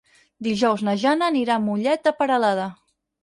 Dijous na Jana anirà a Mollet de Peralada.